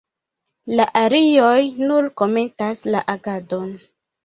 La arioj nur komentas la agadon.